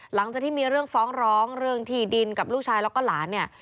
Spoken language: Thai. หลังจากที่มีเรื่องฟ้องร้องเรื่องที่ดินกับลูกชายแล้วก็หลานเนี่ย